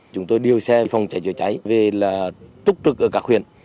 chúng tôi điều xe phòng cháy chữa cháy về là túc trực ở các huyện